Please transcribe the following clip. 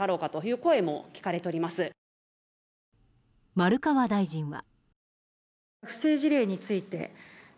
丸川大臣は。